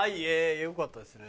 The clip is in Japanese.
良かったですね。